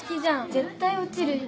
絶対落ちるよ。